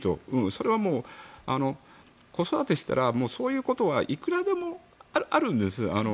それは子育てしていたらそういうことはいくらでもあるんです。